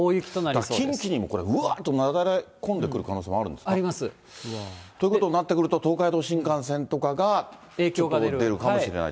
だから近畿にもこれ、うわっとなだれ込んでくる可能性あるんですか。ということになってくると、東海道新幹線とかが、影響が出るかもしれないと。